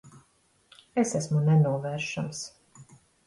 Es esmu nenovēršams.